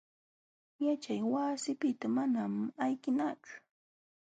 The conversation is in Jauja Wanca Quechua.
Yaćhay wasipiqta manam ayqinachu.